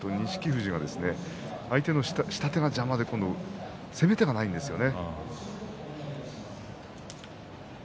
富士は相手の下手が邪魔で攻め手がないんですよね。